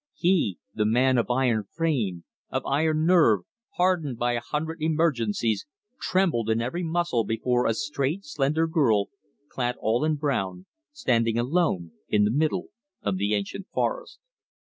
He, the man of iron frame, of iron nerve, hardened by a hundred emergencies, trembled in every muscle before a straight, slender girl, clad all in brown, standing alone in the middle of the ancient forest.